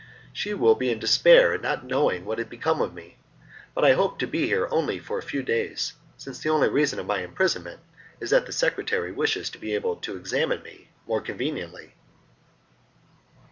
She will be in despair at not knowing what has become of me, but I hope to be here only for a few days, since the only reason of my imprisonment is that the secretary wishes to be able to examine me more conveniently."